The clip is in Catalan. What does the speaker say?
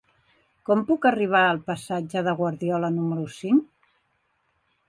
Com puc arribar al passatge de Guardiola número cinc?